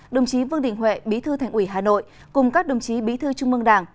đồng chí vương đình huệ bí thư thành ủy hà nội cùng các đồng chí bí thư trung mương đảng